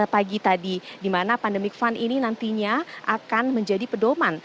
pagi tadi di mana pandemic fund ini nantinya akan menjadi pedoman